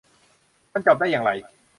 มันจบได้อย่างไร